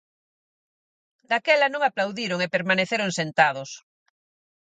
Daquela non aplaudiron e permaneceron sentados.